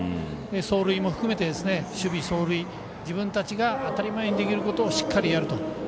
走塁も含めて守備、走塁自分たちが当たり前にできることをしっかりやると。